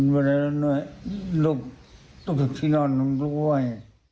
ไม่เลยลุกที่นอนลงต้อนบ้วย